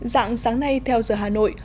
dạng sáng nay theo giờ hà nội